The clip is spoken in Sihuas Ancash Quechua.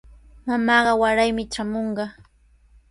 Mamaaqa waraymi traamunqa.